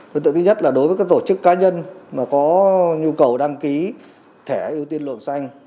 đối tượng thứ nhất là đối với các tổ chức cá nhân mà có nhu cầu đăng ký thẻ ưu tiên luận xanh